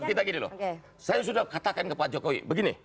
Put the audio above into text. kita gini loh saya sudah katakan ke pak jokowi begini